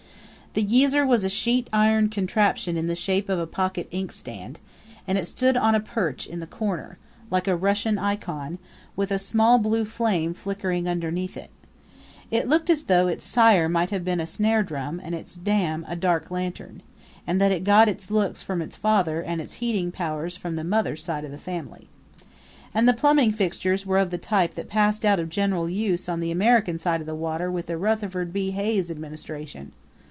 The geezer was a sheet iron contraption in the shape of a pocket inkstand, and it stood on a perch in the corner, like a Russian icon, with a small blue flame flickering beneath it. It looked as though its sire might have been a snare drum and its dam a dark lantern, and that it got its looks from its father and its heating powers from the mother's side of the family. And the plumbing fixtures were of the type that passed out of general use on the American side of the water with the Rutherford B. Hayes administration.